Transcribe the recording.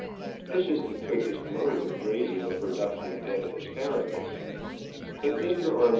This is the quickest mode of raising a pro ductive bed of asparagus. But Mr. Arm AFRIL..